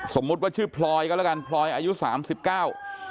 สมมุติว่าชื่อพลอยก็แล้วกันพลอยอายุสามสิบเก้า